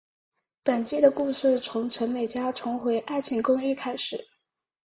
本季的故事从陈美嘉重回爱情公寓开始。